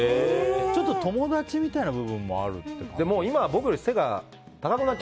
ちょっと友達みたいな部分もあるってことかな。